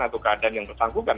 atau keadaan yang bersangkutan